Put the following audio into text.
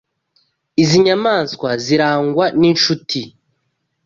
Izi nyamaswa zirangwa ninshuti.